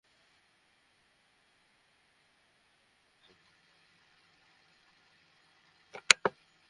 ওখানকার সবাইকে বাঁচাতে আমি আমার প্রাণ দিতেও রাজি আছি।